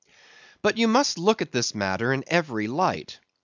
But you must look at this matter in every light.